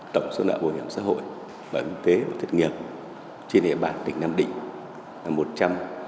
tổng số nợ bảo hiểm xã hội bảo hiểm tế và thiệt nghiệp trên địa bàn tỉnh nam định